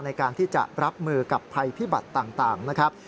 ในการที่จะรับมือกับภัยพิบัติต่างนะครับ